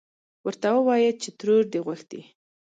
ورته ووايه چې ترور دې غوښتې.